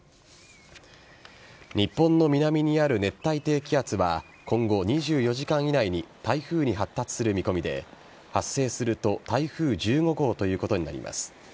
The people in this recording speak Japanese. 日本の南にある熱帯低気圧は今後２４時間以内に台風に発達する見込みで発生すると台風１５号ということになります。